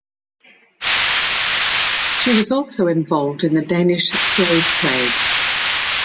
She was also involved in the Danish slave trade.